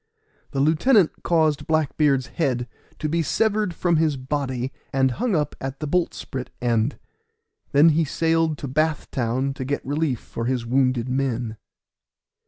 The lieutenant caused Black beard's head to be severed from his body, and hung up at the boltsprit end; then he sailed to Bath Town, to get relief for his wounded men.